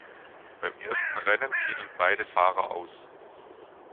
Beim ersten Rennen fielen beide Fahrer aus.